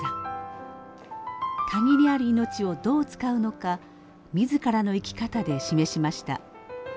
限りある命をどう使うのか自らの生き方で示しました。